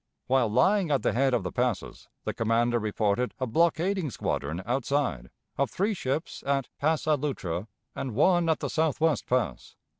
While lying at the head of the passes, the commander reported a blockading squadron outside, of three ships at Passe a l'Outre, and one at the Southwest Pass.